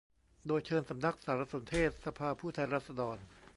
โดยเชิญสำนักสารสนเทศสภาผู้แทนราษฎร